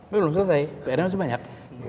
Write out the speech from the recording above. belum selesai pr nya masih banyak